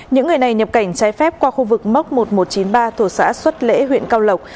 những người này nhập cảnh trái phép qua khu vực mốc một nghìn một trăm chín mươi ba thuộc xã xuất lễ huyện cao lộc